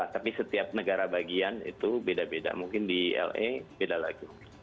tapi setiap negara bagian itu beda beda mungkin di la beda lagi